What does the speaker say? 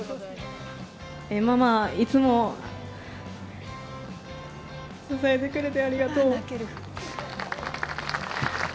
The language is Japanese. ママ、いつも、支えてくれてありがとう。